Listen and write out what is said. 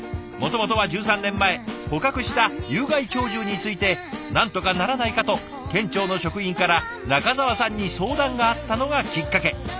もともとは１３年前捕獲した有害鳥獣についてなんとかならないかと県庁の職員から中澤さんに相談があったのがきっかけ。